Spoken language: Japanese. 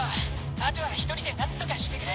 あとは一人で何とかしてくれ。